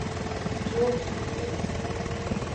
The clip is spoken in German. Tor für die Flames.